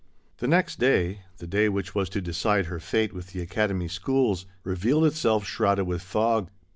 The next day — the day which was to decide her fate with the Academy schools — revealed itself shrouded with fog.